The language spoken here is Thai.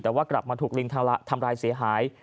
แต่ว่ากลับมาถูกลิงทำร้ายเสียหาย